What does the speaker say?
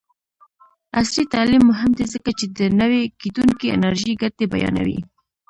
عصري تعلیم مهم دی ځکه چې د نوي کیدونکي انرژۍ ګټې بیانوي.